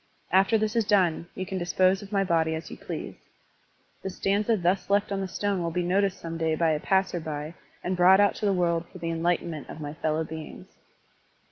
After this is done, you can dispose of my body as you please. The stanza thus left on the stone will be noticed some day by a passer by and brought out to the world for the enlightenment of my fellow beings.